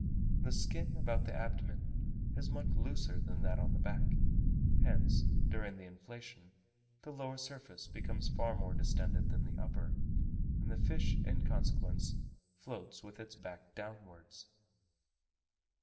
The skin about the abdomen is much looser than that on the back; hence, during the inflation, the lower surface becomes far more distended than the upper; and the fish, in consequence, floats with its back downwards.